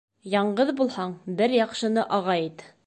Яңғыҙ булһаң, бер яҡшыны ағай ит.